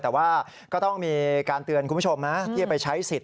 แต่ว่าก็ต้องมีการเตือนคุณผู้ชมนะที่จะไปใช้สิทธิ